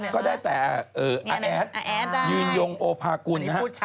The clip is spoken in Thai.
ก็ได้แต่อแอดยืนยงโอภากุล